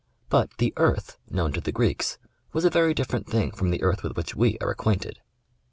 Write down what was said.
But the " earth " known to the Greeks was a very different thing from the earth with which we are acquainted.